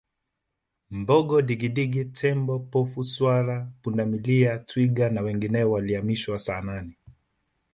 mbogo digidigi tembo pofu swala pundamilia twiga na wengineo walihamishiwa saanane